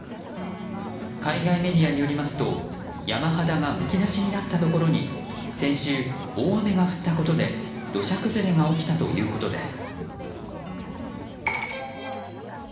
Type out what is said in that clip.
海外メディアによりますと山肌がむき出しになったところに先週、大雨が降ったことで土砂崩れが起きたということです。